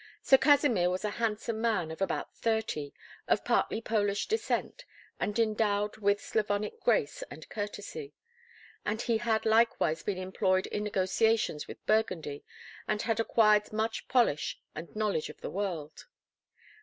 Sir Kasimir was a handsome man of about thirty, of partly Polish descent, and endowed with Slavonic grace and courtesy, and he had likewise been employed in negotiations with Burgundy, and had acquired much polish and knowledge of the world.